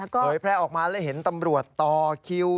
เผยแพร่ออกมาแล้วเห็นตำรวจต่อคิว